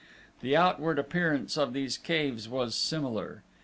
The outward appearance of these caves was similar.